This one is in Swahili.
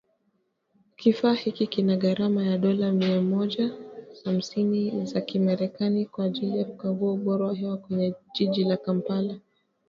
Kifaa hiki kina gharama ya dola mia moja hamsini za kimerekani kwa ajili ya kukagua ubora wa hewa kwenye jiji la Kampala